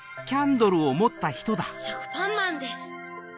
しょくぱんまんです。